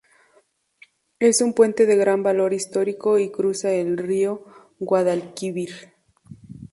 Es un puente de gran valor histórico y cruza el río Guadalquivir.